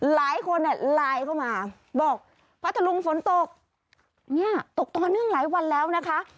หลายคนลายเข้ามาบอกพัทรลุงฝนตกตกต่อเนื่องหลายวันแล้วนะคะ